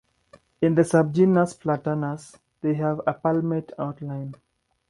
In the subgenus "Platanus" they have a palmate outline.